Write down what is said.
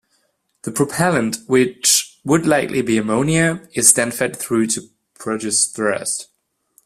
The propellant, which would likely be ammonia, is then fed through to produce thrust.